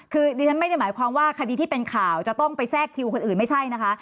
คือดิฉันไม่ได้หมายความว่าคดีที่เป็นข่าวจะต้องไปแทรกคิวคนอื่นไม่ใช่นะคะ